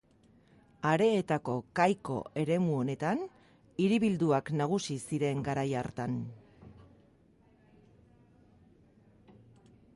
Areetako Kaiko eremu honetan, hiribilduak nagusi ziren garai hartan.